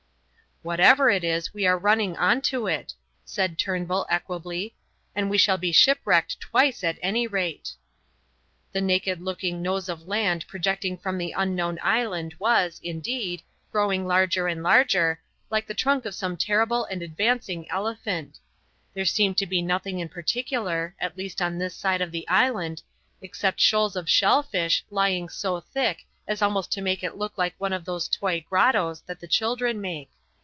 "Whatever it is, we are running on to it," said Turnbull, equably, "and we shall be shipwrecked twice, at any rate." The naked looking nose of land projecting from the unknown island was, indeed, growing larger and larger, like the trunk of some terrible and advancing elephant. There seemed to be nothing in particular, at least on this side of the island, except shoals of shellfish lying so thick as almost to make it look like one of those toy grottos that the children make.